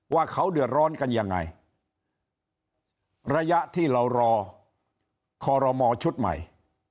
ว่าเขาเดือดร้อนกันยังไงระยะที่เรารอคอรมอชุดใหม่